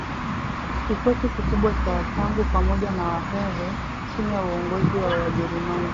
kikosi kikubwa cha Wasangu pamoja na Wahehe chini ya uongozi wa Wajerumani